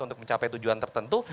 untuk mencapai tujuan tertentu